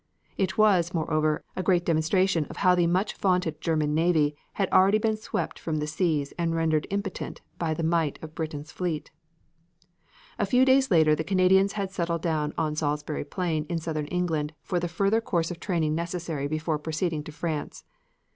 It was, moreover, a great demonstration of how the much vaunted German navy had already been swept from the seas and rendered impotent by the might of Britain's fleet. A few days later the Canadians had settled down on Salisbury Plain in southern England for the further course of training necessary before proceeding to France.